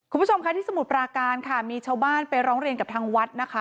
คุณผู้ชมค่ะที่สมุทรปราการค่ะมีชาวบ้านไปร้องเรียนกับทางวัดนะคะ